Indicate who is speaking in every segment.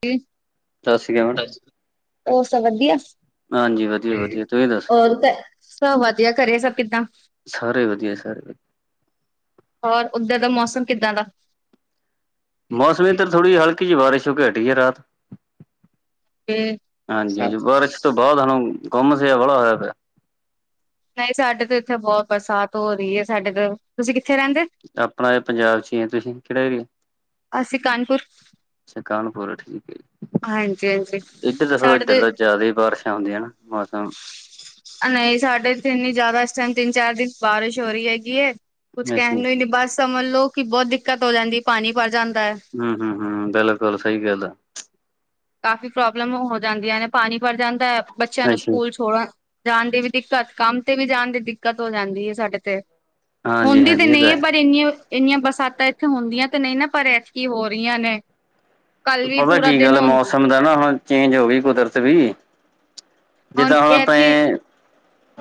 Speaker 1: ਕੀ
Speaker 2: ਦੱਸ ਕੇ ਆਣ
Speaker 1: ਹੋਰ ਸਭ ਵਧੀਆ,
Speaker 2: ਹਾਂਜੀ ਵਧੀਆ ਵਧੀਆ ਤੁਸੀਂ ਦੱਸੋ
Speaker 1: ਹੋਰ ਘਰੇ ਸਭ ਵਧੀਆ, ਘਰੇ ਸਭ ਕਿੱਦਾਂ।
Speaker 2: ਸਾਰੇ ਵਧੀਆ ਸਾਰੇ
Speaker 1: ਹੋਰ ਉੱਧਰ ਦਾ ਮੌਸਮ ਕਿੱਦਾਂ ਦਾ?
Speaker 2: ਮੌਸਮੀ ਤਾਂ ਥੋੜ੍ਹੀ ਹਲਕੀ ਚ ਬਾਰਿਸ਼ ਹੋ ਹਟੀ ਹੈ ਰਾਤ।
Speaker 1: ਤੇ
Speaker 2: ਹਾਂਜੀ- ਹਾਂਜੀ। ਬਾਰਿਸ਼ ਤੋਂ ਬਾਅਦ ਹੁਣ ਗੁੰਮਸ ਜਿਹਾ ਬਾਣਾ ਹੋਇਆ ਪਿਆ।
Speaker 1: ਨਹੀਂ ਸਾਡੇ ਤੇ ਇੱਥੇ ਬਹੁਤ ਬਰਸਾਤ ਹੋ ਰਹੀ ਹੈ। ਸਾਡੇ ਤੇ, ਤੁਸੀਂ ਕਿੱਥੇ ਰਹਿੰਦੇ।
Speaker 2: ਆਪਣਾ ਇੱਥੇ ਪੰਜਾਬ ਚ ਹੀ ਹੈ। ਤੁਸੀਂ ਕਿਹੜਾ ਏਰੀਆ
Speaker 1: ਅਸੀਂ ਕਾਨਪੁਰ
Speaker 2: ਅੱਛਾ। ਕਾਨਪੁਰ ਠੀਕ ਹੈ। ਜੀ
Speaker 1: ਹਾਂਜੀ ਹਾਂਜੀ
Speaker 2: ਇੱਧਰ ਤਾਂ
Speaker 1: ਸਾਡੇ
Speaker 2: ਇਧਰ
Speaker 1: ਤੇ
Speaker 2: ਦਾ ਜ਼ਿਆਦਾ ਹੀ ਬਾਰਿਸ਼ ਵਧੀਆ ਏ ਮੌਸਮ
Speaker 1: ਨਹੀਂ ਸਾਡੇ ਇੱਥੇ ਇੰਨੇ ਜ਼ਿਆਦਾ। ਇਸ ਟਾਈਮ ਤਿੰਨ -ਚਾਰ ਦਿਨ ਬਾਰਿਸ਼ ਹੋ ਰਹੀ ਹੈਗੀਐ। ਕੁਛ
Speaker 2: ਅੱਛਾ
Speaker 1: ਕਹਿਣ ਨੂੰ ਹੀ ਨੀ। ਬਸ ਸਮਝ ਲਓ ਕਿ ਬਹੁਤ ਦਿੱਕਤ ਹੋ ਜਾਂਦੀ, ਪਾਣੀ ਭਰ ਜਾਂਦਾ ਹੈ।
Speaker 2: ਹੂੰ ਹੂੰ ਹੂੰ। ਬਿਲਕੁਲ ਸਹੀ ਗੱਲ ਐ।
Speaker 1: ਕਾਫ਼ੀ ਪ੍ਰੋਬਲਮ ਹੋ ਜਾਂਦੀਆਂ ਨੇ, ਪਾਣੀ ਭਰ ਜਾਂਦਾ ਹੈ। ਬੱਚਿਆਂ ਨੂੰ
Speaker 2: ਅੱਛਾ
Speaker 1: ਸਕੂਲ ਛੋੜਨ ਜਾਣ ਦੀ ਵੀ ਦਿੱਕਤ। ਕੰਮ ਤੇ ਵੀ ਜਾਣ ਦੀ ਦਿੱਕਤ ਹੋ ਜਾਂਦੀ ਹੈ ਸਾਡੇ ਤੇ।
Speaker 2: ਹਾਂਜੀ
Speaker 1: ਹੁੰਦੀ ਤੇ
Speaker 2: ਹਾਂਜੀ ਇਹ
Speaker 1: ਨਹੀਂ
Speaker 2: ਤਾਂ
Speaker 1: ਹੈ‌।
Speaker 2: ਹੈ
Speaker 1: ਪਰ ਇੰਨੀਆਂ ਇੰਨੀਆਂ ਬਰਸਾਤਾਂ ਇੱਥੇ ਹੁੰਦੀਆਂ ਤੇ ਨਹੀਂ ਨਾ। ਪਰ ਐਤਕੀ ਹੋ ਰਹੀਆਂ ਨੇ। ਕੱਲ ਵੀ
Speaker 2: ਪਤਾ
Speaker 1: ਪੂਰਾ
Speaker 2: ਕੀ
Speaker 1: ਦਿਨ
Speaker 2: ਗੱਲ ਐ।
Speaker 1: ਹੁਣ
Speaker 2: ਮੌਸਮ ਦਾ ਨਾ ਹੁਣ ਚੇਂਜ ਹੋ ਗਈ ਕੁਦਰਤ ਵੀ ਜਿੱਦਾਂ ਹੁਣ ਆਪਣੇ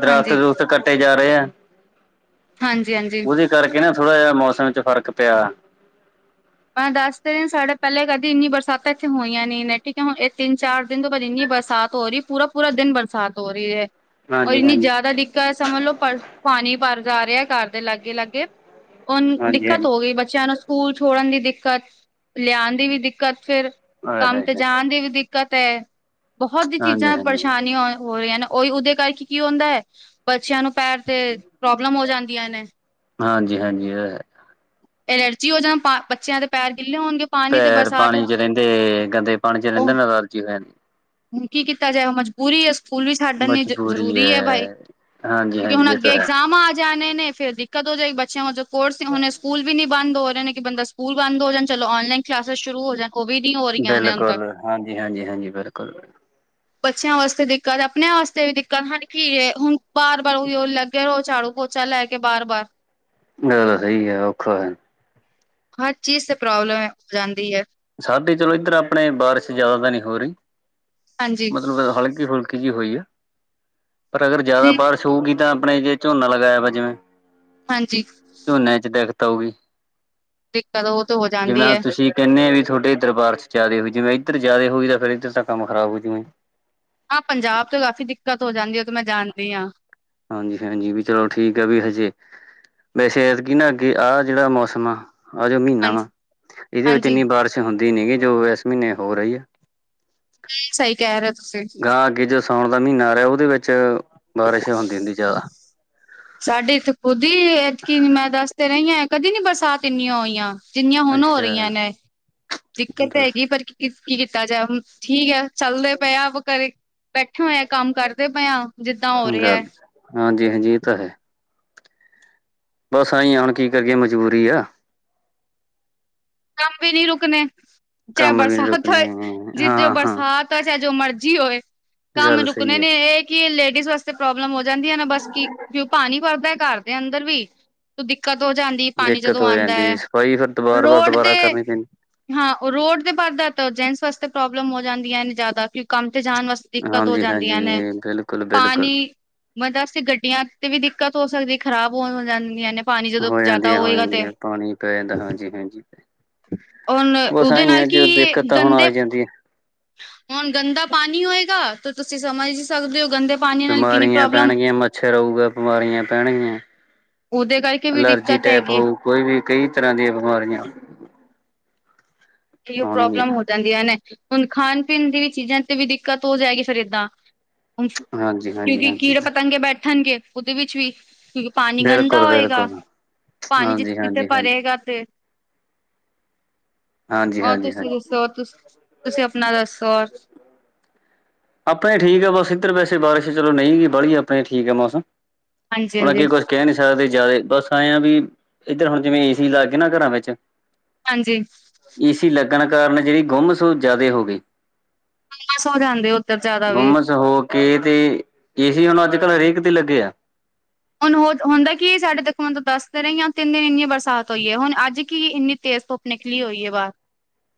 Speaker 2: ਦਰੱਖਤ
Speaker 1: ਹਾਂਜੀ
Speaker 2: -ਦੁਰੱਖਤ ਕੱਟੇ ਜਾ ਰਹੇ ਐ।
Speaker 1: ਹਾਂਜੀ ਹਾਂਜੀ।
Speaker 2: ਇਸ ਕਰਕੇ ਨਾ ਥੋੜਾ ਜਿਹਾ ਮੌਸਮ ਚ ਫਰਕ ਪਿਆ।
Speaker 1: ਮੈਂ ਦੱਸ ਤੇ ਰਹੀ। ਸਾਡੇ ਪਹਿਲੇ ਕਦੀ ਇੰਨੀ ਬਰਸਾਤਾਂ ਇੱਥੇ ਹੋਈਆਂ ਨੀ। ਨੇ ਠੀਕ ਹੈ ਹੁਣ ਇਹ ਤਿੰਨ- ਚਾਰ ਦਿਨ ਤੋਂ ਬਾਅਦ ਇੰਨੀ ਬਰਸਾਤ ਹੋ ਰਹੀ। ਪੂਰਾ ਪੂਰਾ ਦਿਨ ਬਰਸਾਤ ਹੋ ਰਹੀ ਹੈ। ਔਰ
Speaker 2: ਹਾਂਜੀ
Speaker 1: ਇੰਨੀ,
Speaker 2: ਹਾਂਜੀ
Speaker 1: ਜ਼ਿਆਦਾ ਦਿੱਕਤ ਹੈ, ਸਮਝ ਲਓ ਪਰ, ਪਾਣੀ ਭਰ ਜਾ ਰਿਹਾ, ਘਰ ਦੇ ਲਾਗੇ- ਲਾਗੇ। ਹੁਣ
Speaker 2: ਹਾਂਜੀ
Speaker 1: ਦਿੱਕਤ
Speaker 2: ਹਾਂਜੀ
Speaker 1: ਹੋ ਗਈ, ਬੱਚਿਆਂ ਨੂੰ ਸਕੂਲ ਛੋੜਨ ਦੀ ਦਿੱਕਤ ਲਿਆਉਣ ਦੀ ਵੀ ਦਿੱਕਤ ਫਿਰ
Speaker 2: ਆਏ
Speaker 1: ਕੰਮ
Speaker 2: ਹਾਏ
Speaker 1: ਤੇ
Speaker 2: ਹਾਏ
Speaker 1: ਜਾਣ ਦੀ ਵੀ ਦਿੱਕਤ ਹੈ। ਬਹੁਤ ਹੀ
Speaker 2: ਹਾਂਜੀ
Speaker 1: ਚੀਜ਼ਾਂ,
Speaker 2: ਹਾਂਜੀ
Speaker 1: ਪਰੇਸ਼ਾਨੀਆਂ ਹੋ ਰਹੀਆਂ ਨ। ਉਹੀ, ਉਹਦੇ ਕਰਕੇ ਕੀ ਹੁੰਦਾ ਹੈ, ਬੱਚਿਆਂ ਨੂੰ ਪੈਰ ਤੇ ਪ੍ਰੋਬਲਮ ਹੋ ਜਾਂਦੀਆਂ ਨੇ।
Speaker 2: ਹਾਂਜੀ -ਹਾਂਜੀ।
Speaker 1: ਐਲਰਜੀ ਹੋ ਜਾਣ, ਬੱਚਿਆਂ ਦੇ ਪੈਰ ਗਿੱਲੇ ਹੋਣਗੇ। ਪਾਣੀ ਤੇ
Speaker 2: ਪੈਰ,
Speaker 1: ਬਰਸਾਤ
Speaker 2: ਪਾਣੀ ਚ ਰਹਿੰਦੇ, ਗੰਦੇ ਪਾਣੀ ਚ ਰਹਿੰਦੇ
Speaker 1: ਉਹ
Speaker 2: ਨਾ, ਐਲਰਜੀ ਹੋ ਜਾਂਦੀ।
Speaker 1: ਹੁਣ ਕੀ ਕੀਤਾ ਜਾਏ, ਉਹ ਮਜਬੂਰੀ ਐ ਸਕੂਲ ਵੀ ਛੱਡ ਆਨੀ ਆ, ਜਰੂਰੀ ਹੈ ਬਾਈ,
Speaker 2: ਹਾਂਜੀ
Speaker 1: ਕਿਉਂਕਿ ਹੁਣ
Speaker 2: ਹਾਂਜੀ ਇਹ
Speaker 1: ਅੱਗੇ
Speaker 2: ਤਾਂ ਹੈ
Speaker 1: ਇਗਜ਼ਾਮ ਆ ਜਾਣੇ ਨੇ ਫਿਰ ਦਿੱਕਤ ਹੋ ਜਾਏਗੀ ਬੱਚਿਆਂ ਜੋ ਕੋਰਸ ਹੋਨੇ ਸਕੂਲ ਵੀ ਨੀ ਬੰਦ ਹੋ ਰਹੇ ਨੇ, ਬੰਦਾ ਸਕੂਲ ਬੰਦ ਹੋ ਜਾਣ, ਚਲੋ ਔਨਲਾਈਨ ਕਲਾਸਿਸ ਸ਼ੁਰੂ ਹੋ ਜਾਣ। ਉਹ ਵੀ ਨੀ ਹੋ ਰਹੀਆਂ ਨੇ ਹੁਣ
Speaker 2: ਬਿਲਕੁਲ,
Speaker 1: ਤੱਕ
Speaker 2: ਹਾਂਜੀ -ਹਾਂਜੀ, ਹਾਂਜੀ ਬਿਲਕੁਲ।
Speaker 1: ਬੱਚਿਆਂ ਵਾਸਤੇ ਦਿੱਕਤ, ਆਪਣਿਆਂ ਵਾਸਤੇ ਵੀ ਦਿੱਕਤ, ਹੁਣ ਕੀ ਏ, ਹੁਣ ਬਾਰ- ਬਾਰ, ਉਹੀਓ ਲੈ ਫੇਰੋ, ਝਾੜੂ- ਪੋਚਾ, ਲੈ ਕੇ ਬਾਰ- ਬਾਰ।
Speaker 2: ਇਹ ਤਾਂ ਸਹੀ ਹੈ, ਔਖਾ ਹੈ।
Speaker 1: ਹਰ ਚੀਜ਼, ਤੇ ਪ੍ਰੋਬਲਮ ਹੈ, ਹੋ ਜਾਂਦੀ ਹੈ।
Speaker 2: ਸਾਡੇ, ਚਲੋ ਇੱਧਰ ਆਪਣੇ ਬਾਰਿਸ਼ ਜਿਆਦਾ ਤਾਂ ਨਹੀਂ ਹੋ ਰਹੀ,
Speaker 1: ਹਾਂਜੀ
Speaker 2: ਮਤਲਬ ਹਲਕੀ- ਫੁਲਕੀ ਜਿਹੀ ਹੋਈ ਆ, ਪਰ ਅਗਰ ਜ਼ਿਆਦਾ ਬਾਰਿਸ਼ ਹੋਊਗੀ ਤਾਂ, ਆਪਣੇ ਜੇ ਝੋਨਾ ਲਗਾਇਆ ਵਾ ਜਿਵੇਂ
Speaker 1: ਹਾਂਜੀ।
Speaker 2: ਝੋਨੇ ਚ, ਦਿੱਕਤ ਆਉਗੀ।
Speaker 1: ਦਿੱਕਤ, ਉਹ ਤੇ ਹੋ ਜਾਂਦੀ ਐ।
Speaker 2: ਕਿੰਨੇ ਵੀ, ਤੁਹਾਡੇ ਦਰਬਾਰ ਚ ਜਿਆਦੇ ਹੋਈ, ਜਿਵੇਂ ਇੱਧਰ ਜ਼ਿਆਦੇ ਹੋਈ ਤਾਂ, ਫੇਰ ਇੱਧਰ ਤਾਂ, ਕੰਮ ਖਰਾਬ ਹੋਜੂ।
Speaker 1: ਹਾਂ, ਪੰਜਾਬ ਚ ਕਾਫ਼ੀ ਦਿੱਕਤ ਹੋ ਜਾਂਦੀ ਐ, ਉਹ ਤੇ ਮੈਂ ਜਾਣਦੀ ਆ।
Speaker 2: ਹਾਂਜੀ- ਹਾਂਜੀ ਵੀ, ਚਲੋ ਠੀਕ ਆ ਵੀ, ਹਜੇ ਵੈਸੇ, ਐਦਕੀਂ ਨਾ ਅੱਗੇ ਆਹ ਜਿਹੜਾ ਮੌਸਮ ਆ ਆ ਜੋ ਮਹੀਨਾ
Speaker 1: ਹਾਂਜੀ
Speaker 2: ਵਾ, ਇਹਦੇ ਵਿੱਚ
Speaker 1: ਹਾਂਜੀ
Speaker 2: ਇੰਨੀ ਬਾਰਿਸ਼ ਹੁੰਦੀ ਨਹੀਂ ਗੀ, ਜੋ ਇਸ ਮਹੀਨੇ ਹੋ ਰਹੀ ਏ।
Speaker 1: ਸਹੀ, ਕਹਿ ਰਹੇ ਹੋ ਤੁਸੀਂ।
Speaker 2: ਤਾਂ, ਅੱਗੇ ਜੋ ਸਾਉਣ ਦਾ ਮਹੀਨਾ ਆ ਰਿਹਾ, ਓਹਦੇ ਵਿੱਚ ਬਾਰਿਸ਼ ਹੁੰਦੀ -ਹੁੰਦੀ ਜ਼ਿਆਦਾ।
Speaker 1: ਸਾਡੇ ਇੱਥੇ, ਖੁਦ ਈ ਐਤਕੀਂ ਮੈਂ ਦੱਸ ਤੇ ਰਹੀ ਹਾਂ, ਕਦੀ ਨਹੀਂ, ਬਰਸਾਤ ਇੰਨੀਆਂ ਹੋਈਆਂ। ਜਿੰਨੀਆਂ ਹੁਣ ਹੋ
Speaker 2: ਅੱਛਾ
Speaker 1: ਰਹੀਆਂ ਨੇ। ਦਿੱਕਤ ਤੇ
Speaker 2: ਦੱਸ
Speaker 1: ਹੈਗੀ, ਪਰ ਕੀ, ਕੀਕੀਤਾ ਜਾਏ ਹੁਣ, ਠੀਕ ਹੈ, ਚੱਲਦੇ ਪਏ ਆ [unintelligible] ਘਰੇ ਬੈਠੇ ਹੋਏ ਆ, ਕੰਮ ਕਰਦੇ ਪਏ ਹਾਂ, ਜਿੱਦਾਂ ਹੋ ਰਿਹਾ।
Speaker 2: ਗੱਲ ਹਾਂਜੀ- ਹਾਂਜੀ, ਇਹ ਤਾਂ ਹੈ। ਬਸ, ਐਂ ਹੀ ਹੈ, ਹੁਣ ਕੀ ਕਰੀਏ ਮਜ਼ਬੂਰੀ ਆ।
Speaker 1: ਕੰਮ ਵੀ ਨੀ, ਰੁਕਣੇ। ਚਾਹੇ
Speaker 2: ਕੰਮ ਵੀ ਨੀ
Speaker 1: ਬਰਸਾਤ
Speaker 2: ਰੁਕਣੇ
Speaker 1: ਹੋਏ, ਜੇ
Speaker 2: ਹਾਂ
Speaker 1: -ਜੋ
Speaker 2: ਹਾਂ
Speaker 1: ਬਰਸਾਤ ਹੋਏ, ਚਾਹੇ ਜੋ ਮਰਜੀ ਹੋਏ। ਕੰਮ,
Speaker 2: ਗੱਲ
Speaker 1: ਰੁਕਣੇ
Speaker 2: ਸਹੀ ਹੈ
Speaker 1: ਨੇ ਇਹ ਕਿ, ਲੇਡੀਜ਼ ਵਾਸਤੇ ਪ੍ਰੋਬਲਮ ਹੋ ਜਾਂਦੀ ਹੈ ਨਾ, ਬਸ ਕੀ ਕਿਉਂ ਪਾਣੀ ਭਰਦਾ ਘਰ ਦੇ ਅੰਦਰ ਵੀ। ਤੋ, ਦਿੱਕਤ ਹੋ ਜਾਂਦੀ, ਪਾਣੀ
Speaker 2: ਦਿੱਕਤ
Speaker 1: ਜਦੋਂ
Speaker 2: ਹੋ
Speaker 1: ਆਉਂਦਾ
Speaker 2: ਜਾਂਦੀ
Speaker 1: ਹੈ।
Speaker 2: ਸਫਾਈ ਫਿਰ ਦੁਬਾਰ
Speaker 1: ਰੋਡ ਤੇ
Speaker 2: [unintelligible]
Speaker 1: ਹਾਂ, ਉਹ ਰੋਡ ਤੇ ਭਰਦਾ ਤਾਂ, ਜੈਂਟਸ ਵਾਸਤੇ ਪ੍ਰੋਬਲਮ ਹੋ ਜਾਂਦੀਆਂ ਨੇ, ਜ਼ਿਆਦਾ ਕਿਉਂ ਕੰਮ ਤੇ, ਜਾਣ ਵਾਸਤੇ ਦਿੱਕਤ ਹੋ
Speaker 2: ਹਾਂਜੀ
Speaker 1: ਜਾਂਦੀਆਂ ਨੇ,
Speaker 2: ਹਾਂਜੀ ਬਿਲਕੁਲ ਬਿਲਕੁਲ
Speaker 1: ਪਾਣੀ ਬਰਸਾਤ ਚ, ਗੱਡੀਆਂ ਤੇ ਵੀ ਦਿੱਕਤ ਹੋ ਸਕਦੀ, ਖ਼ਰਾਬ ਬਹੁਤ ਹੋ ਜਾਂਦੀਆਂ ਨੇ, ਪਾਣੀ ਜਦੋਂ
Speaker 2: ਹੋ
Speaker 1: ਜ਼ਿਆਦਾ
Speaker 2: ਜਾਂਦੀਆਂ ਹੋ
Speaker 1: ਹੋਏਗਾ ਤੇ
Speaker 2: ਜਾਂਦੀਆਂ ਪਾਣੀ ਪੈ ਜਾਂਦਾ, ਹਾਂਜੀ -ਹਾਂਜੀ
Speaker 1: ਹੁਣ
Speaker 2: ਬਸ
Speaker 1: ਉਹਦੇ
Speaker 2: ਆਂਈ
Speaker 1: ਨਾਲ
Speaker 2: ਆ ਜੀ
Speaker 1: ਕੀ
Speaker 2: ਦਿੱਕਤ ਤਾਂ ਹੁਣ ਆ
Speaker 1: ਗੰਦੇ
Speaker 2: ਈ ਜਾਂਦੀ।
Speaker 1: ਹੁਣ ਗੰਦਾ ਪਾਨੀ ਹੋਏਗਾ, ਤੇ ਤੁਸੀਂ ਸਮਝ ਹੀ ਸਕਦੇ ਓ ਗੰਦੇ ਪਾਣੀ ਨਾਲ ਕਿੰਨੀ
Speaker 2: ਬਿਮਾਰੀਆਂ
Speaker 1: ਪ੍ਰੋਬਲਮ
Speaker 2: ਪੈਣਗੀਆਂ, ਮੱਛਰ ਆਊਗਾ, ਬਿਮਾਰੀਆਂ ਪੈਣਗੀਆਂ।
Speaker 1: ਉਹਦੇ ਕਰਕੇ ਵੀ,
Speaker 2: ਅਲਰਜੀ
Speaker 1: ਦਿੱਕਤ
Speaker 2: ਟਾਈਪ
Speaker 1: ਹੈਗੀ।
Speaker 2: ਹੋਊ ਕੋਈ ਵੀ, ਕਈ ਤਰਾਂ ਦੀਆਂ ਬਿਮਾਰੀਆਂ
Speaker 1: ਪ੍ਰੋਬਲਮ
Speaker 2: ਆਉਣਗੀਆਂ
Speaker 1: ਹੋ ਜਾਂਦੀਆ ਨੇ, ਹੁਨ, ਖਾਨ- ਪੀਨ ਦੀ ਵੀ ਚੀਜ਼ਾਂ ਤੇ ਵੀ ਦਿੱਕਤ ਹੋ ਜਾਏਗੀ, ਫਿਰ ਇੱਦਾਂ। ਹੁਣ,
Speaker 2: ਹਾਂਜੀ ਹਾਂਜੀ
Speaker 1: ਕਿਉਂਕਿ
Speaker 2: ਹਾਂਜੀ
Speaker 1: ਕੀੜੇ, ਪਤੰਗੇ ਬੈਠਨਗੇ, ਓਹਦੇ ਵਿੱਚ ਵੀ। ਕਿਉਂਕਿ ਪਾਨੀ ਗੰਦਾ
Speaker 2: ਬਿਲਕੁਲ
Speaker 1: ਹੋਏਗਾ
Speaker 2: ਬਿਲਕੁਲ
Speaker 1: ਪਾਨੀ ਜਿੱਥੇ
Speaker 2: ਹਾਂਜੀ
Speaker 1: ਜਿੱਥੇ
Speaker 2: ਹਾਂਜੀ ਹਾਂਜੀ
Speaker 1: ਭਰੇਗਾ ਤੇ
Speaker 2: ਹਾਂਜੀ
Speaker 1: ਹੋਰ
Speaker 2: ਹਾਂਜੀ
Speaker 1: ਤੁਸੀਂ
Speaker 2: ਹਾਂਜੀ
Speaker 1: ਦੱਸੋ ਤੁ ਤੁਸੀਂ ਆਪਨਾ ਦਸੋ ਹੋਰ
Speaker 2: ਆਪਨੇ ਠੀਕ ਆ ਬਸ ਇੱਧਰ ਵੈਸੇ ਬਾਰਿਸ਼ ਚਲੋ ਨਹੀਂ ਗ ਬਾਹਲੀ ਆਪਨੇ ਠੀਕ ਆ ਮੌਸਮ
Speaker 1: ਹਾਂਜੀ
Speaker 2: ਹੁਨ
Speaker 1: ਹਾਂਜੀ
Speaker 2: ਅੱਗੇ ਕੁਛ ਕਹਿ ਨੀ ਸਕਦੇ ਜ਼ਿਆਦਾ ਬਸ ਆਏ ਆ ਵੀ ਇੱਧਰ ਹੁਣ ਜਿਵੇਂ ਏਸੀ ਲੱਗ ਗਏ ਨਾ ਘਰਾਂ ਵਿੱਚ
Speaker 1: ਹਾਂਜੀ
Speaker 2: ਏ ਸੀ ਲੱਗਨ ਕਾਰਨ ਜਿਹੜੀ ਗੁੰਮਸ ਜ਼ਿਆਦਾ ਹੋ ਗਈ।
Speaker 1: ਤਾਂ ਸੋ ਜਾਂਦੇ ਓ।
Speaker 2: ਗੁੰਮਸ ਹੋ ਕੇ ਤੇ ਏ ਸੀ ਹੁਨ ਅੱਜ ਕੱਲ ਹਰੇਕ ਤੇ ਲੱਗੇ ਆ।
Speaker 1: ਹੁਨ ਹੋ ਹੁੰਦਾ ਕੀ ਸਾਡੇ ਦੇਖੋ ਹੁਨ ਦੱਸ ਤੇ ਰਹੀ ਆ ਦਿੰਨੇ ਇੰਨੀਆਂ ਬਰਸਾਤ ਹੋਈ ਐ ਹੁਨ ਅੱਜ ਕਿ ਇੰਨੀ ਤੇਜ਼ ਧੁੱਪ ਨਿਕਲੀ ਹੋਈ ਏ ਬਾਹਰ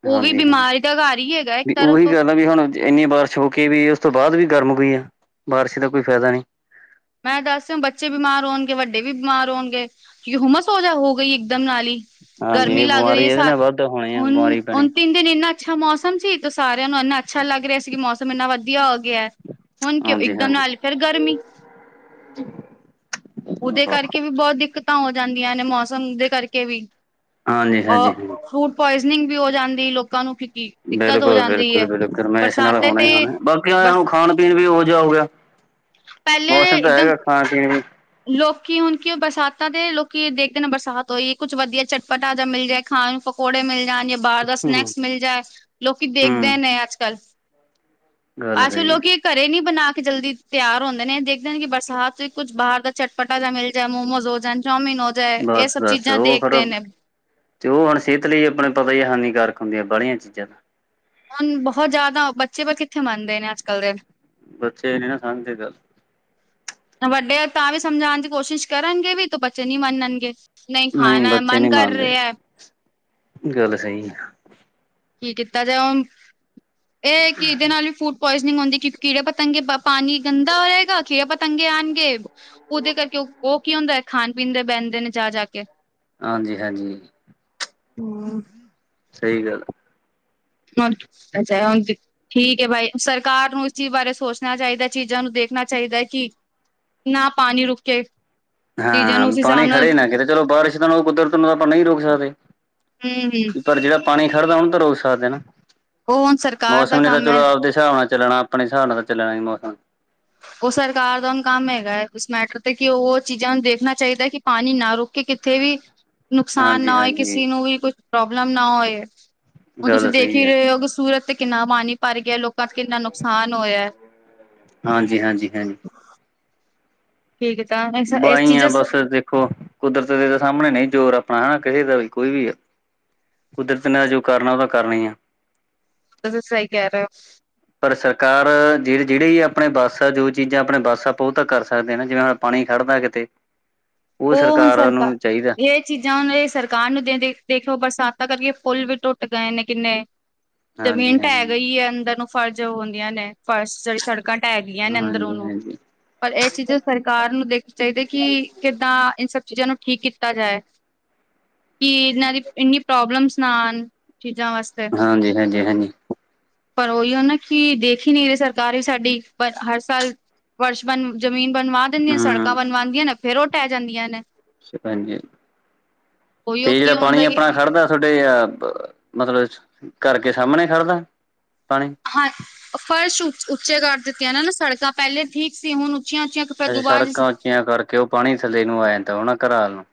Speaker 1: ਓਹ ਵੀ ਬਿਮਾਰੀ ਦਾ ਘਰ ਹੀ ਹੈਗਾ ਇੱਕ ਤਰਫ ਤੋਂ
Speaker 2: ਨਵੀ ਹੁਣਾ ਇੰਨੀ ਬਾਰਿਸ਼ ਹੋ ਕੇ ਵੀ ਉਸ ਤੋਂ ਬਾਅਦ ਵੀ ਗਰਮ ਹੋਈ ਆ ਬਾਰਿਸ਼ ਦਾ ਕੋਈ ਫਾਇਦਾ ਨਹੀਂ।
Speaker 1: ਮੈਂ ਦੱਸ ਬੱਚੇ ਬਿਮਾਰ ਹੋਨਗੇ ਵੱਡੇ ਵੀ ਬਿਮਾਰ ਹੋਨਗੇ ਕਿਓ ਹੁੰਮਸ ਹੋ ਗਈ ਏ। ਦਮ ਨਾਲ ਹੀ
Speaker 2: ਹਾਂਜੀ
Speaker 1: ਗਰਮੀ
Speaker 2: ਇਹ
Speaker 1: ਲੱਗ ਰਹੀ
Speaker 2: ਬਿਮਾਰੀ
Speaker 1: ਏ ਸ
Speaker 2: ਇਹਦੇ ਨਾਲ ਵੱਧ ਹੋਣੀ ਆ
Speaker 1: ਹੁਨ
Speaker 2: ਬਿਮਾਰੀ ਪੈਣੀ
Speaker 1: ਹੁਨ ਤਿੰਨ ਦਿਨੇ ਇੰਨਾ ਅੱਛਾ ਮੌਸਮ ਸੀ ਤੇ ਸਾਰਿਆਂ ਨੂੰ ਇੰਨਾ ਅੱਛਾ ਲੱਗ ਰਿਹਾ ਸੀ ਕਿ ਮੌਸਮ ਇੰਨਾ ਵਧੀਆ ਹੋ ਗਿਆ ਏ। ਹੁਨ ਕਿਉਂ
Speaker 2: ਹਾਂਜੀ
Speaker 1: ਇੱਕਦਮ
Speaker 2: ਹਾਂਜੀ
Speaker 1: ਨਾਲ ਫਿਰ ਗਰਮੀ
Speaker 2: [inaudible]
Speaker 1: ਓਹਦੇ ਕਰਕੇ ਵੀ ਬਹੁਤ ਦਿੱਕਤਾਂ ਹੋ ਜਾਂਦੀਆਂ ਨੇ ਮੌਸਮ ਦੇ ਕਰਕੇ ਵੀ
Speaker 2: ਹਾਂਜੀ
Speaker 1: ਅ
Speaker 2: ਹਾਂਜੀ
Speaker 1: ਫੂਡ ਪੁਆਇਜਨਿੰਗ ਵੀ ਹੋ ਜਾਂਦੀ ਲੋਕਾਂ ਨੂੰ ਕਿਉਂਕਿ ਦਿੱਕਤ ਹੋ
Speaker 2: ਬਿਲਕੁਲ-
Speaker 1: ਜਾਂਦੀ
Speaker 2: ਬਿਲਕੁਲ
Speaker 1: ਹੈ
Speaker 2: -ਬਿਲਕੁਲ ਮੈਂ ਇਸ ਨਾਲ
Speaker 1: ਬਰਸਾਤੇ
Speaker 2: ਹੋਨਾ
Speaker 1: ਤੇ
Speaker 2: ਹੀ ਹੋਨਾ ਬਾਕੀ
Speaker 1: ਬਰਸ
Speaker 2: ਖਾਨ ਪੀਨ ਵੀ ਓਹੋ ਜਿਹਾ ਹੋ ਗਿਆ। ਮੌਸਮ
Speaker 1: ਪਹਿਲੇ ਇਕਦਮ
Speaker 2: ਹੈਗਾ ਖਾਣ ਪੀਣ ਵੀ
Speaker 1: ਲੋਕੀ ਹੁਣ ਕੀ ਉਹ ਬਰਸਾਤਾਂ ਦੇ ਲੋਕੀ ਦੇਖਦੇ ਨਾ ਬਰਸਾਤ ਹੋਈ ਕੁੱਛ ਵਧੀਆ ਚਟਪਟਾ ਜਾਂ ਮਿਲ ਜਾਏ। ਖਾਣ ਨੂੰ ਪਕੌੜੇ ਮਿਲ ਜਾਣ ਜਾਂ ਬਾਹਰ ਦਾ
Speaker 2: ਹੂੰ
Speaker 1: ਸਨੈਕਸ ਮਿਲ ਜਾਏ ਲੋਕੀ ਦੇਖਦੇ
Speaker 2: ਹੂੰ
Speaker 1: ਨੇ ਅੱਜ ਕੱਲ੍ਹ
Speaker 2: ਗੱਲ
Speaker 1: ਅਜ ਕਲ
Speaker 2: ਸਹੀ ਹੈ
Speaker 1: ਲੋਕੀ ਘਰੇ ਨੀ ਬਣਾ ਕੇ ਜਲਦੀ ਤਿਆਰ ਹੁੰਦੇ ਨੇ ਜੇ ਕਿ ਬਰਸਾਤ 'ਚ ਕੁੱਝ ਬਾਹਰ ਦਾ ਚਟਪਟਾ ਜਾ ਮਿਲ ਜਾਏ ਮੋਮੋਜ਼ ਹੋ ਜਾਣ ਚੋਮਿਨ ਹੋ ਜਾ ਇਹ
Speaker 2: ਬਸ
Speaker 1: ਸਭ
Speaker 2: ਬਸ
Speaker 1: ਚੀਜ਼ਾਂ
Speaker 2: ਉਹ ਫਿਰ
Speaker 1: ਦੇਖਦੇ ਨੇ
Speaker 2: ਤੇ ਔਹ ਸੇਹਤ ਲਈ ਆਪਣੇ ਪਤਾ ਹੀ ਹਾਨੀਕਾਰਕ ਹੁੰਦੀਆਂ ਬਾਹਲੀਆਂ ਚੀਜ਼ਾਂ
Speaker 1: ਹੁਣ ਬਹੁਤ ਜ਼ਿਆਦਾ ਬੱਚੇ ਪਰ ਕਿੱਥੇ ਮੰਨਦੇ ਨੇ ਅੱਜ- ਕੱਲ੍ਹ ਦੇ
Speaker 2: ਬੱਚੇ ਨਹੀਂ ਨਾ ਸਮਝਦੇ ਗੱਲ
Speaker 1: ਵੱਡੇ ਤਾਂ ਵੀ ਸਮਝਾਂਨ ਦੀ ਕੋਸ਼ਿਸ਼ ਕਰਨਗੇ ਵੀ ਤੇ ਬੱਚੇ ਨੀ ਮੰਨਨਗੇ। ਨਹੀਂ ਖਾਨਾ ਏ
Speaker 2: ਬੱਚੇ
Speaker 1: ਮਨ
Speaker 2: ਨਹੀਂ
Speaker 1: ਕਰ
Speaker 2: ਮੰਨਦੇ
Speaker 1: ਰਿਹਾ।
Speaker 2: ਗੱਲ ਸਹੀ ਆ।
Speaker 1: ਕੀ ਕੀਤਾ ਜਾਏ ਹੁਨ ਐ ਹੈ ਕਿ ਇਹਦੇ ਨਾਲ ਵੀ ਫੂਡ ਪੁਆਇਜਨਿੰਗ ਹੁੰਦੀ ਕਿਉ ਕੀੜੇ ਪਤੰਗੇ ਪਾਨੀ ਗੰਦਾ ਹੋ ਜਾਏਗਾ ਕੀੜੇ ਪਤੰ ਤੰਗੇ ਆਣਗੇ ਓਹਦੇ ਕਰਕੇ ਓਹ ਕੀ ਹੁੰਦਾ ਖਾਨ ਪੀਨ ਦੇ ਬਹਿੰਦੇ ਨੇ ਜਾ- ਜਾ ਕੇ
Speaker 2: ਹਾਂਜੀ- ਹਾਂਜੀ [inaudible] ਸਹੀ ਗੱਲ
Speaker 1: ਹੁਨ ਅੱਜ ਐ ਹੁਨਦੀ। ਠੀਕ ਐ ਬਾਈ ਸਰਕਾਰ ਨੂੰ ਇਸ ਚੀਜ਼ ਬਾਰੇ ਸੋਚਨਾ ਚਾਹੀਦਾ ਚੀਜ਼ਾਂ ਨੂੰ ਦੇਖਨਾ ਚਾਹੀਦਾ ਐ ਕਿ ਨਾ ਪਾਨੀ ਰੁਕੇ।
Speaker 2: ਹਾਂ ਪਾਨੀ ਖੜੇ ਨਾ ਕਰੇ ਕਰੋ ਬਾਰਿਸ਼ ਤਾਂ ਕੁਦਰਤ ਨੂੰ ਤਾਂ ਆਪਾਂ ਨਹੀਂ ਰੋਕ ਸਕਦੇ।
Speaker 1: ਹੂੰ- ਹੂੰ।
Speaker 2: ਪਰ ਜਿਹੜਾ ਪਾਣੀ ਖੜਦਾ ਉਹਨੂੰ ਤਾਂ ਰੁਕ ਸਕਦੇ ਨਾ
Speaker 1: ਉਹ ਹੁਣ ਸਰਕਾਰ
Speaker 2: ਮੌਸਮ
Speaker 1: ਦਾ
Speaker 2: ਨੇ ਤਾਂ
Speaker 1: ਕੰਮ
Speaker 2: ਚਲੋ
Speaker 1: ਹੈ
Speaker 2: ਆਪਦੇ ਹਿਸਾਬ ਨਾਲ ਚੱਲਣਾ ਆਪਣੇ ਹਿਸਾਬ ਨਾਲ ਤਾਂ ਚੱਲਣਾ ਸੀ ਮੌਸਮ
Speaker 1: ਉਹ ਸਰਕਾਰ ਦਾ ਹੁਣ ਕੰਮ ਹੈਗਾ ਉਸ ਮੈਟਰ ਤੇ ਕਿ ਉਹ ਚੀਜ਼ਾਂ ਨੂੰ ਦੇਖਣਾ ਚਾਹੀਦਾ ਕਿ ਪਾਣੀ ਨਾ ਰੁਕ ਕਿ ਕਿਥੇ ਵੀ ਨੁਕਸਾਨ ਨਾ ਹੋਏ
Speaker 2: ਹਾਂਜੀ-ਹਾਂਜੀ
Speaker 1: ਕਿਸੇ ਨੂੰ ਵੀ ਕੁਛ ਪ੍ਰੋਬਲਮ ਨਾ ਹੋਏ। ਹੁਣ ਤੁਸੀਂ
Speaker 2: ਗੱਲ
Speaker 1: ਦੇਖ
Speaker 2: ਸਹੀ
Speaker 1: ਹੀ
Speaker 2: ਹੈ
Speaker 1: ਰਹੇ ਹੋ ਕਿ ਸੂਰਤ ਤੇ ਕਿੰਨਾ ਪਾਣੀ ਭਰ ਗਿਆ ਲੋਕਾਂ ਦਾ ਕਿੰਨਾ ਨੁਕਸਾਨ ਹੋਇਆ।
Speaker 2: ਹਾਂਜੀ -ਹਾਂਜੀ- ਹਾਂਜੀ।
Speaker 1: [inaudible] ਠੀਕ ਏਦਾ ਤਾਂ ਏਸ ਚੀਜ਼ਸ
Speaker 2: ਖੋ, ਕੁਦਰਤ ਦੇ ਤਾਂ ਸਾਹਮਣੇ ਨਹੀਂ ਜ਼ੋਰ ਆਪਣਾ ਹੈਣਾ, ਕਿਹੇ ਦਾ ਵੀ, ਕੋਈ ਵੀ ਆ। ਕੁਦਰਤ ਨੇ ਜੋ ਕਰਨਾ, ਉਹ ਤਾਂ ਕਰਨਾ ਹੀ ਆ।
Speaker 1: ਤੁਸੀਂ ਸਹੀ ਕਹਿ ਰਹੇ ਓ।
Speaker 2: ਪਰ ਸਰਕਾਰ, ਜਿਹੜੀ, ਜਿਹੜੇ ਆਪਣੇ ਬੱਸ ਆ, ਜੋ ਚੀਜ਼ਾਂ ਆਪਣੇ ਬੱਸ ਆ, ਆਪਾਂ ਉਹ ਤਾਂ ਕਰ ਸਕਦੇ ਹਾਂ, ਜਿਵੇਂ ਪਾਣੀ ਖੜਦਾ ਕਿਤੇ ਉਹ
Speaker 1: ਓ, ਹੁਨ ਸਰਕਾਰ
Speaker 2: ਨੂੰ ਚਾਹੀਦਾ
Speaker 1: ਏਕ ਚੀਜ਼ਾਂ ਨੇ ਸਰਕਾਰ ਨੂੰ ਦਿੰਦੇ, ਦੇਖਿਓ ਬਰਸਾਤਾਂ ਕਰਕੇ ਫੂਲ ਵੀ ਟੁੱਟ ਗਏ ਨੇ ਕਿੰਨੇ। ਜ਼ਮੀਨ ਢਹਿ
Speaker 2: ਹਾਂਜੀ-ਹਾਂਜੀ
Speaker 1: ਗਈ ਹੈ, ਅੰਦਰ ਨੂੰ ਫ਼ਰਜ਼ ਆਉਂਦੀਆਂ ਨੇ ਫਰਸ਼'ਚ ਸੜਕਾਂ ਢਹਿ ਗਈਆਂ ਨੇ, ਅੰਦਰ
Speaker 2: ਹਾਂਜੀ
Speaker 1: ਓਨੂੰ।
Speaker 2: ਹਾਂਜੀ
Speaker 1: ਪਰ ਇਹ ਚੀਜ਼ਾਂ ਸਰਕਾਰ ਨੂੰ, ਦੇਖ ਚਾਹੀਦੇ ਕਿ ਦਾਂ ਈਨ ਸਭ ਚੀਜ਼ਾਂ ਨੂੰ, ਠੀਕ ਕੀਤਾ ਜਾਏ। ਕਿ ਇਹਨਾਂ ਦੀ ਇੰਨੀ ਪ੍ਰੋਬਲਮਸ ਨਾ ਆਨ, ਚੀਜ਼ਾਂ ਵਾਸਤੇ।
Speaker 2: ਹਾਂਜੀ, ਹਾਂਜੀ, ਹਾਂਜੀ।
Speaker 1: ਪਰ ਉਹੀਓ ਨਾ ਕਿ, ਦੇਖ ਹੀ ਨਹੀਂ ਰਹੀ ਸਰਕਾਰ ਵੀ ਸਾਡੀ। ਪਰ, ਹਰ ਸਾਲ ਫਰਸ਼ ਬਨ ਜ਼ਮੀਨ ਬਣਵਾ ਦਿੰਦੀਆਂ, ਸੜਕਾਂ
Speaker 2: ਹਮ
Speaker 1: ਬਣਵਾਂਦੀਆਂ ਨੇ ਫਿਰ ਉਹ ਢਹਿ ਜਾਂਦੀਆਂ ਨੇ।
Speaker 2: ਅੱਛਾ ਭੈਣ ਜੀ,
Speaker 1: ਉਹੀਓ
Speaker 2: ਤੇ
Speaker 1: ਕੀ
Speaker 2: ਜਿਹੜਾ ਪਾਣੀ
Speaker 1: ਹੁੰਦਾ ਕਿ
Speaker 2: ਆਪਣਾ ਖੜਦਾ ਤੇ ਅਂ ਮਤਲਬ, ਘਰਕੇ ਸਾਹਮਣੇ ਖੜਦਾ ਪਾਣੀ?
Speaker 1: ਹਾਂ, ਫਰਸ਼ ਉ, ਉੱਚੇ ਕਰ ਦਿੱਤੀਆਂ ਨ ਨਾ ਸੜਕਾਂ, ਪਹਿਲੇ ਠੀਕ ਸੀ, ਹੁਣ ਉੱਚੀਆਂ-ਉੱਚੀਆਂ
Speaker 2: ਅ ਸੜਕਾਂ ਉੱਚੀਆਂ ਕਰਕੇ, ਉਹ ਪਾਣੀ ਥੱਲੇ ਨੂੰ ਆਇਆਂ ਦਾ ਹੋਣਾ ਘਰਾਂ ਵੱਲ ਨੂੰ।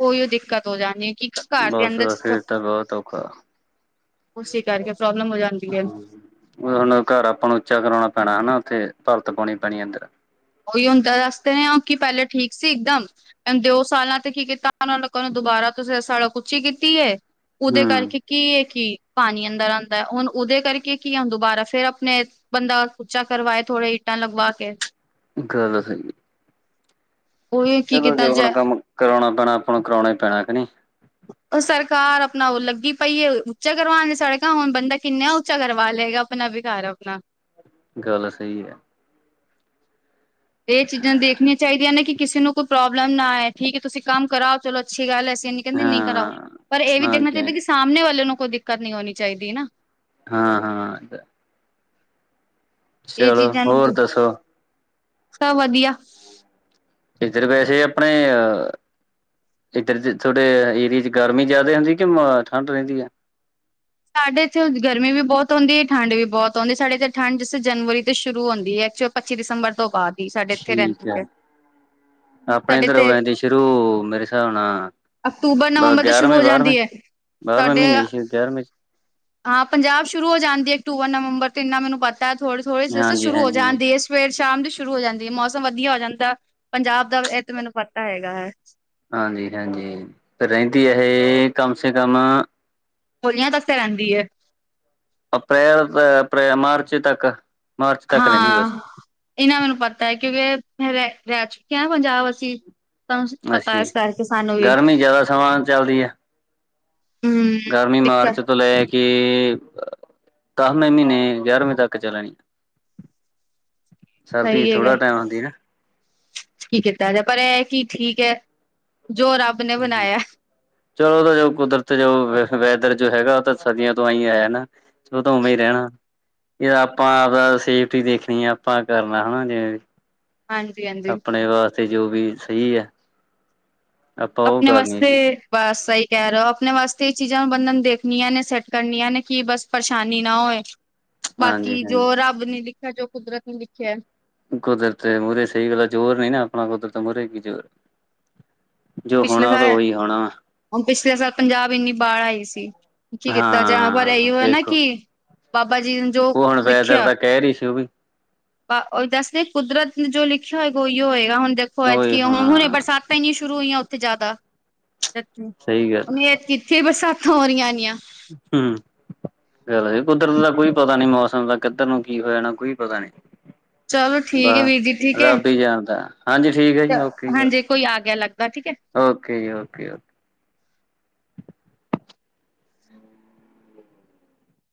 Speaker 1: ਉਹੀ ਓ ਦਿੱਕਤ ਹੋ ਜਾਂਣੀ, ਕਿ ਕ
Speaker 2: ਬਸ-ਬਸ, ਫਿਰ ਤਾਂ ਬਹੁਤ ਔਖਾ।
Speaker 1: ਉਸੀ ਕਰਕੇ ਪ੍ਰੌਬਲਮ ਹੋ ਜਾਂਦੀ ਏ।
Speaker 2: ਓ ਹੁਣ, ਘਰ ਆਪਾਂ ਨੂੰ ਉੱਚਾ ਕਰਾਉਣਾ ਪੈਣਾ ਹਨਾ ਉੱਥੇ, ਭਰਤ ਪਾਉਣੀ ਪੈਣੀ ਆ, ਅੰਦਰ।
Speaker 1: ਉਹੀ ਹੁੰਨ ਤਾ ਦੱਸਦੇ ਨੇ, ਓਂਕੀ ਪਹਿਲੇ ਠੀਕ ਸੀ ਇਕਦਮ। ਦਿਓ ਸਾਲਾਂ ਤੇ ਕੀ ਕੀਤਾ, ਉਹਨਾਂ ਲੋਕਾਂ ਨੂੰ ਦੁਬਾਰਾ ਤੁਸੀਂ ਸੜਕ ਉੱਚੀ ਕੀਤੀ ਏ। ਉਹਦੇ
Speaker 2: ਹਮ
Speaker 1: ਕਰਕੇ ਕੀ ਈਏ ਕੀ, ਪਾਣੀ ਅੰਦਰ ਆਂਦਾ ਏ, ਹੁਣ ਉਹਦੇ ਕਰਕੇ ਕੀ, ਆਂ ਦੁਬਾਰਾ ਫਿਰ ਅਪਣੇ ਬੰਦਾ, ਉੱਚਾ ਕਰਵਾਏ ਥੋੜੇ ਈਟਾਂ ਲਗਵਾਕੇ।
Speaker 2: ਗ਼ਲਤ ਹੈਗੀ।
Speaker 1: ਉਹੀ ਕੀ
Speaker 2: ਚਲੋ ਜੇ
Speaker 1: ਕੀਤਾ
Speaker 2: ਹੁਣ,
Speaker 1: ਜਾਏ
Speaker 2: ਕੰਮ ਕਰਾਉਣਾ ਪੈਣਾ, ਆਪਾਂ ਨੂੰ ਕਰਾਉਣਾ ਹੀ ਪੈਣਾ ਕਿ, ਨਹੀ।
Speaker 1: ਉਹ ਸਰਕਾਰ ਅਪਨਾ ਉਹ ਲੱਗੀ ਪਈਏ, ਉੱਚਾ ਕਰਵਾਨ ਲਈ ਸੜਕਾ, ਹੁਣ ਬੰਦਾ ਕਿੰਨੇ ਉੱਚਾ ਕਰਵਾ ਲਏਗਾ। ਅਪਨਾ ਵੀ, ਘਰ ਅਪਨਾ।
Speaker 2: ਗਲ ਸਹੀ ਹੈ।
Speaker 1: ਇਹ ਚੀਜ਼ਾਂ ਦੇਖਣੀਆਂ ਚਾਹੀਦੀਆਂ ਨੇ, ਕਿ ਕਿਸੇ ਨੂੰ ਕੋਈ ਪ੍ਰੌਬਲਮ ਨਾ ਆਏ ਠੀਕ ਏ ਤੁਸੀਂ ਕੰਮ ਕਰਾਓ, ਚਲੋ ਅੱਛੀ ਗੱਲ ਐਸੀਂ ਕਹਿੰਦੇ ਨਹੀਂ ਕਰਾਓ।
Speaker 2: ਹਾਂ
Speaker 1: ਪਰ ਇਹ ਵੀ ਦੇਖਣਾ
Speaker 2: ਹਾਂਜੀ
Speaker 1: ਚਾਹੀਦਾ
Speaker 2: ਹਾਂਜੀ
Speaker 1: ਕਿ, ਸਾਹਮਣੇ ਵਾਲੇ ਨੂੰ ਕੋਈ ਦਿੱਕਤ ਨਹੀਂ ਹੋਣੀ ਚਾਹੀਦੀ ਨਾ।
Speaker 2: ਹਾਂ-ਹਾਂ।
Speaker 1: ਇਹ ਚੀਜ਼ਾਂ ਨੂੰ,
Speaker 2: ਹੋਰ ਦੱਸੋ
Speaker 1: ਸਭ ਵਧੀਆ।
Speaker 2: ਇੱਧਰ ਵੈਸੇ ਆਪਣੇ, ਅ ਇੱਧਰ'ਚ ਥੋਡੇ ਏਰੀਏ'ਚ ਗਰਮੀ ਜ਼ਿਆਦੇ ਹੁੰਦੀ ਕਿ, ਠੰਢ ਰਹਿੰਦੀ ਆ?
Speaker 1: ਸਾਡੇ ਇੱਥੇ ਗਰਮੀ ਵੀ ਬਹੁਤ ਹੋਂਦੀ, ਠੰਡ ਵੀ ਬਹੁਤ ਹੋਂਦੀ। ਸਾਡੇ ਇੱਥੇ ਠੰਡ ਜ ਜਨਵਰੀ ਤੋਂ ਸ਼ੁਰੂ ਹੁੰਦੀ ਹੈ, ਚ ਪੱਚੀ ਦਸੰਬਰ ਤੋਂ ਬਾਅਦ ਹੀ, ਸਾਡੇ ਇੱਥੇ ਰਹਿੰਦੀ ਹੈ।
Speaker 2: ਆਪਣੇ
Speaker 1: ਸਾਡੇ
Speaker 2: ਇੱਧਰ ਹੋ
Speaker 1: ਤੇ
Speaker 2: ਜਾਂਦੀ ਸ਼ੁਰੂ, ਮੇਰੇ ਸ੍ਹਾਬ ਨਾਲ
Speaker 1: ਅਕਤੂਬਰ, ਨਵੰਬਰ ਤੋਂ ਸ਼ੁਰੂ ਹੋ ਜਾਂਦੀ ਐ।
Speaker 2: ਬਾਰ੍ਹਵੇਂ ਮਹੀਨੇ, ਸ਼ਾਦ ਗਿਆਰਵੇਂ'ਚ
Speaker 1: ਹਾਂ, ਪੰਜਾਬ ਸ਼ੁਰੂ ਹੋ ਜਾਂਦੀ ਏ, ਅਕਤੂਬਰ, ਨਵੰਬਰ ਤੇ ਇੰਨਾ ਮੈਨੂੰ ਪਤਾ, ਥੋੜੇ-ਥੋੜ੍ਹੇ ਸੇ
Speaker 2: ਹਾਂਜੀ
Speaker 1: ਸ਼ੁਰੂ ਹੋ
Speaker 2: ਹਾਂਜੀ
Speaker 1: ਜਾਂਦੀ ਏ। ਸਵੇਰ-ਸ਼ਾਮ ਦੀ ਸ਼ੁਰੂ ਹੋ ਜਾਂਦੀ ਏ, ਮੌਸਮ ਵਧੀਆ ਹੋ ਜਾਂਦਾ ਪੰਜਾਬ ਦਾ, ਇਹ ਤੇ ਮੈਨੂੰ ਪਤਾ ਹੈਗਾ ਏ।
Speaker 2: ਹਾਂਜੀ-ਹਾਂਜੀ, ਤੇ ਰਹਿੰਦੀ ਇਹ ਕਮ ਸੇ ਕਮ
Speaker 1: ਹੋਲੀਆਂ ਤੱਕ ਤਾ ਰਹਿੰਦੀ ਏ।
Speaker 2: ਅਪ੍ਰੈਲ ਅਪਣੇ ਮਾਰਚ ਤੱਕ। ਮਾਰਚ ਤੱਕ ਰਹਿੰਦੀ ਬਸ
Speaker 1: ਹਾਂ। ਇਹਨਾਂ ਮੈਨੂੰ ਪਤਾ ਏ, ਕਿਉਂਕਿ ਰਹਿ, ਰਹਿ ਚੁੱਕੇ ਆਂ ਪੰਜਾਬ ਅਸੀਂ। ਤਾਂ ਪਤਾ
Speaker 2: ਅੱਛਾ ਜੀ
Speaker 1: ਇਸ ਕਰਕੇ ਸਾਨੂੰ ਵੀ
Speaker 2: ਗਰਮੀ ਜ਼ਿਆਦਾ ਸਮਾਂ ਚੱਲਦੀ ਹੈ
Speaker 1: ਹਮ
Speaker 2: ਗਰਮੀ ਮਾਰਚ
Speaker 1: ਦਿੱਕਤ
Speaker 2: ਤੋਂ ਲੈ ਕੇ, ਅ ਦਸਵੇਂ ਮਹੀਨੇ ਗਿਆਰਵੇਂ ਤੱਕ ਚੱਲਣੀ। ਸਰਦੀ
Speaker 1: [inaudible] ਸਹੀ ਹੈਗਾ।
Speaker 2: ਥੋੜਾ ਟਾਈਮ ਹੁੰਦੀ ਨਾ
Speaker 1: ਕੀ ਕੀਤਾ ਜਾਏ, ਪਰ ਇਹ ਕੀ ਠੀਕ ਹੈ ਜੋ ਰੱਬ ਨੇ
Speaker 2: ਹਂ, ਹਂ।
Speaker 1: ਬਣਾਇਆ
Speaker 2: ਚਲੋ ਉਹ ਤਾਂ ਜੋ ਕੁਦਰਤ ਜੋ ਵੈਦਰ ਜੋ ਹੈਗਾ ਉਹ ਤਾਂ ਸਰਦੀਆਂ ਤੋਂ ਅਂਈ ਆ ਹੈ ਨਾਂ। ਉਹ ਤਾਂ ਉਵੇਂ ਹੀ ਰਹਿਣਾ। ਇਹ ਆਪਾਂ ਆਪਦਾ ਸੇਫਟੀ ਦੇਖਣੀ ਏ, ਆਪਾਂ ਕਰਨਾ ਹੇਨਾ ਜਿਵੇਂ ਵੀ
Speaker 1: ਹਾਂਜੀ ਹਾਂਜੀ
Speaker 2: ਆਪਣੇ ਵਾਸਤੇ ਜੋ ਵੀ ਸਹੀ ਏ।
Speaker 1: ਆਪਣੇ ਵਾਸਤੇ ਬਸ ਸਹੀ ਕਹਿ ਰਹੇ ਹੋ, ਆਪਣੇ ਵਾਸਤੇ ਇਹ ਚੀਜ਼ਾਂ ਬੰਦੇ ਨੂੰ ਦੇਖਣੀਆਂ ਨੇਂ, ਸੈੱਟ ਕਰਨੀਆਂ ਨੇਂ ਕੀ ਬਸ ਪਰੇਸ਼ਾਨੀ ਨਾਂ ਹੋਏ,
Speaker 2: ਹਾਂਜੀ
Speaker 1: ਬਾਕੀ ਜੋ
Speaker 2: ਹਾਂਜੀ
Speaker 1: ਰੱਬ ਨੇ ਲਿਖਿਆ, ਜੋ ਕੁਦਰਤ ਨੇਂ ਲਿਖਿਆ।
Speaker 2: ਕੁਦਰਤ ਮੂਹਰੇ ਸਹੀ ਗੱਲ ਜ਼ੋਰ ਨੀਂ ਨਾਂ ਆਪਣਾ ਕੁਦਰਤ ਮੂਹਰੇ ਕੀ ਜੋੋਰ
Speaker 1: ਪਿਛਲੇ ਸਾਲ,
Speaker 2: ਹੋਣਾ ਵਾ
Speaker 1: ਹੁਣ ਪਿਛਲੇ ਸਾਲ ਪੰਜਾਬ ਇੰਨੀ ਬਾ਼ੜ ਆਈ ਸੀ। ਕਿ ਕੀਤਾ ਜਾਏ, ਪਰ ਇਹੀ
Speaker 2: ਹਾਂ
Speaker 1: ਹੋ ਹੈ ਨਾਂ
Speaker 2: ਵੇਖੋ
Speaker 1: ਕਿ ਬਾਬਾ ਜੀ ਜੋ
Speaker 2: ਉਹ ਹੁਣ ਵੈਦਰ
Speaker 1: ਲਿਖਿਆ
Speaker 2: ਦਾ ਕਹਿਰ ਹੀ ਸੀ ਉਹ ਵੀ
Speaker 1: ਆ ਉਹੀ ਦੱਸਦੇ ਕੁਦਰਤ ਨੇਂ ਜੋ ਲਿਖਿਆ ਹੋਏਗਾ, ਉਹੀ ਹੋਏਗਾ। ਹੁਣ ਦੇਖੋ
Speaker 2: ਉਹੀ
Speaker 1: ਐਤਕੀਂ ਹੁਣੇ
Speaker 2: ਹੋਣਾ
Speaker 1: ਬਰਸਾਤ ਤੇ ਈ ਨ੍ਹੀਂ ਸ਼ੁਰੂ ਹੋਈਆਂ ਉੱਥੇ ਜ਼ਿਆਦਾ [unintelligible]
Speaker 2: ਸਹੀ ਗੱਲ
Speaker 1: ਐਤਕੀ ਫਿਰ ਬਰਸਾਤਾਂ ਹੋ ਰਹੀਆਂ ਏਨੀਆਂ।
Speaker 2: ਹਂ ਚੱਲੋ ਜੀ ਕੁਦਰਤ ਦਾ ਕੋਈ ਪਤਾ ਨੀਂ, ਮੌਸਮ ਦਾ ਕਿੱਧਰ ਨੂੰ ਕੀ ਹੋ ਜਾਣਾ ਕੋਈ ਪਤਾ ਨੀਂ।
Speaker 1: ਚਲੋ ਠੀਕ ਹੈ
Speaker 2: ਬਸ
Speaker 1: ਵੀਰ ਜੀ ਠੀਕ
Speaker 2: ਰੱਬ
Speaker 1: ਹੈ
Speaker 2: ਈ ਜਾਣਦਾ ਹਾਂਜੀ ਠੀਕ ਐ ਜੀ, ਓਕੇ ਜੀ [unintelligible]
Speaker 1: ਹਾਂਜੀ ਕੋਈ ਆ ਗਿਆ ਲੱਗਦਾ ਠੀਕ ਹੈ
Speaker 2: ਓਕੇ ਜੀ ਓਕੇ, ਓਕੇ।